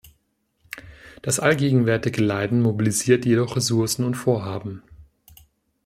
Das allgegenwärtige Leiden mobilisiert jedoch Ressourcen und Vorhaben.